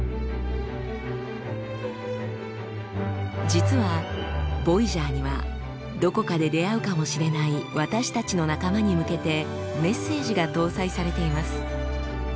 実はボイジャーにはどこかで出会うかもしれない私たちの仲間に向けてメッセージが搭載されています。